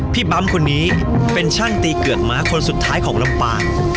พี่บั๊มคนนี้เป็นชั่นตีเกือบม้าคนสุดท้ายของลำปาง